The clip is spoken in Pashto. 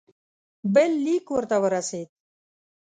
بل لیک ورته ورسېد.